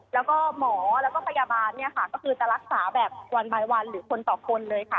แล้วก็หมอแล้วก็พยาบาลเนี่ยค่ะก็คือจะรักษาแบบวันบ่ายวันหรือคนต่อคนเลยค่ะ